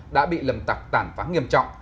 đã bị lầm tặc tản phán nghiêm trọng